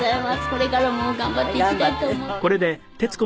これからも頑張っていきたいと思っています。